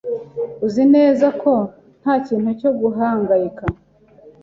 Uzi neza ko nta kintu cyo guhangayika?